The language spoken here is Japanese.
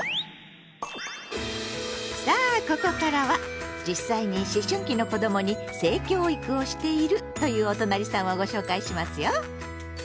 さあここからは実際に思春期の子どもに性教育をしているというおとなりさんをご紹介しますよ！